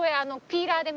ピーラーで！？